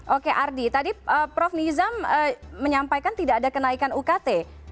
oke ardi tadi prof nizam menyampaikan tidak ada kenaikan ukt